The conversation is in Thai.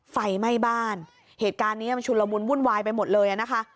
ไฟไหม้บ้านเหตุการณ์นี้มันชุนละมุนวุ่นวายไปหมดเลยอ่ะนะคะ